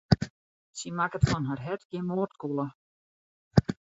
Sy makket fan har hert gjin moardkûle.